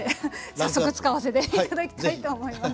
早速使わせていただきたいと思います。